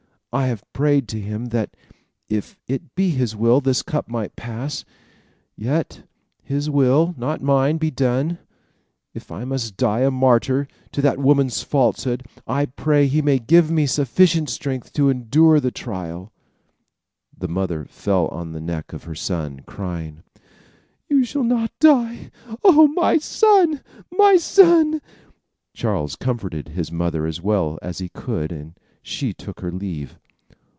I have prayed to him that, if it be his will, this cup might pass; yet his will, not mine, be done. If I must die a martyr to that woman's falsehood, I pray he may give me sufficient strength to endure the trial." The mother fell on the neck of her son, crying: "You shall not die! Oh, my son! my son!" Charles comforted his mother as well as he could, and she took her leave.